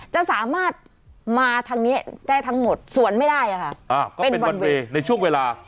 จะสามารถมาทางนี้ได้ทั้งหมดสวนไม่ได้ค่ะเป็นวันเวย์ในช่วงเวลา